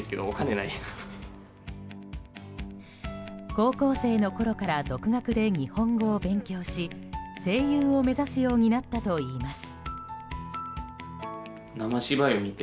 高校生のころから独学で日本語を勉強し声優を目指すようになったといいます。